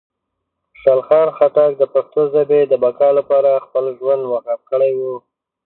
خوشحال خان خټک د پښتو ژبې د بقا لپاره خپل ژوند وقف کړی و.